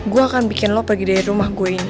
gue akan bikin lo pergi dari rumah gue ini